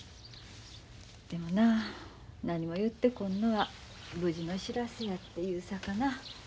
でもな何も言ってこんのは無事の知らせやっていうさかな。